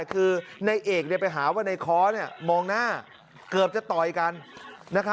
คือในเอกไปหาว่าในค้อมองหน้าเกือบจะต่อยกัน